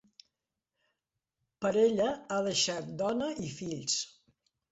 Per ella ha deixat dona i fills.